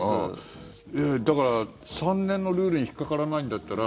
だから、３年のルールに引っかからないんだったら。